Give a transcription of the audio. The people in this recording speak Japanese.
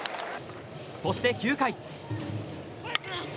そして９回。